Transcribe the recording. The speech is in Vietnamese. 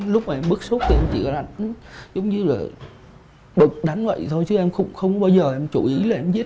lúc mà em bức xúc thì em chịu lạnh giống như là bực đánh vậy thôi chứ em không bao giờ em chú ý là em giết